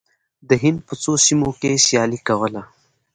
د هند په څو سیمو کې سیالي کوله.